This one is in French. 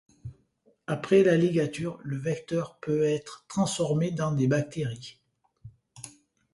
Après la ligature, le vecteur peut être transformé dans des bactéries.